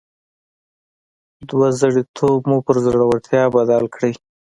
دوه زړي توب مو پر زړورتيا بدل کړئ.